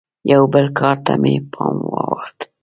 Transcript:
یوه بل کار ته مې پام واوښت.